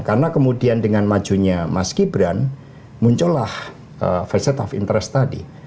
karena kemudian dengan majunya mas gibran muncullah first state of interest tadi